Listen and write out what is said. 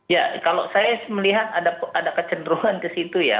ya kalau saya melihat ada kecenderungan ke situ ya